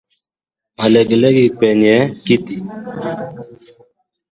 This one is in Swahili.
Malengelenge kwenye titi